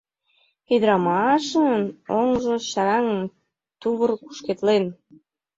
Ӱдырамашын оҥжо чараҥын, тувыр кушкедлен...